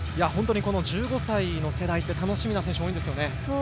１５歳の世代は楽しみな選手多いですね。